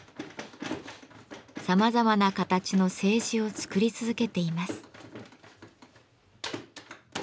さまざまな形の青磁を作り続けています。